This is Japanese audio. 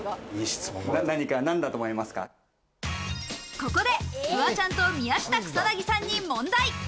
ここでフワちゃんと宮下草薙さんに問題。